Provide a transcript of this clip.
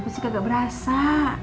ini kagak berasa